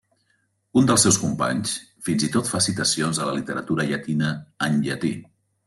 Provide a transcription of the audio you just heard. Un dels seus companys fins i tot fa citacions de la literatura llatina en llatí.